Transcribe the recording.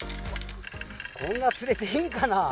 こんな釣れていいんかな？